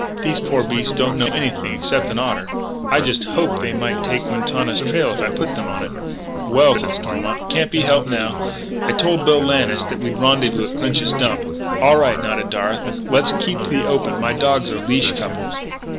These poor beasts don't know anything except an otter. I just hoped they might take Quintana's trail if I put them on it." "Well," said Stormont, "it can't be helped now.... I told Bill Lannis that we'd rendezvous at Clinch's Dump." "All right," nodded Darragh. "Let's keep to the open; my dogs are leashed couples."